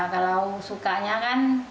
kalau sukanya kan